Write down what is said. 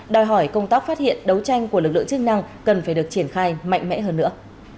đòi hỏi công tác phát hiện đấu tranh của lực lượng chức năng cần phải được triển khai mạnh mẽ hơn nữa